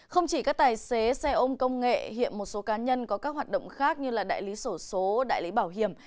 không chỉ các tài xế xe ôm công nghệ hiện một số cá nhân có các hoạt động khác như đại lý sổ số đại lý bảo hiểm